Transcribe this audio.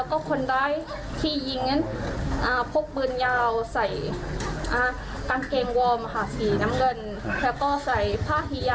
คนที่อยู่บนมอเตอร์ไซต์ตะกดบอกว่าบัดเด